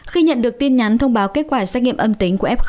khi nhận được tin nhắn thông báo kết quả xét nghiệm âm tính của f